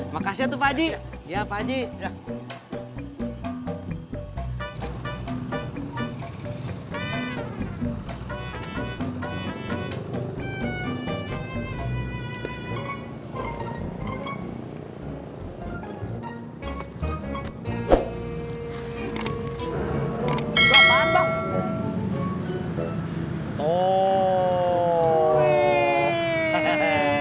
makasih atuh fadji